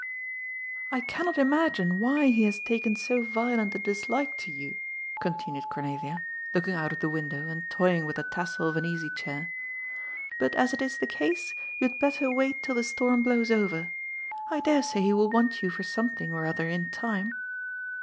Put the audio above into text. " I cannot imagine why he has taken so violent a dislike 232 GOD'S POOL. to you/* continned Cornelia, looking out of the window, and toying with the tassel of an easy chair. ^' But as it is the case, you had better wait till the storm blows over. I dare say he will want you for something or other in time."